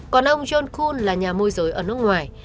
còn ông john kun là nhà môi giới ở nước ngoài